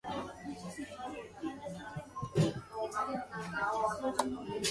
He also appeared on the cover of Wheaties.